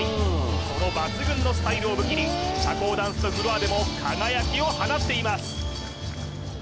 その抜群のスタイルを武器に社交ダンスのフロアでも輝きを放っています